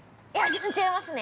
◆違いますね。